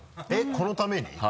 えっこのために？